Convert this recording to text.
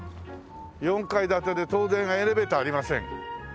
４階建てで当然エレベーターありません。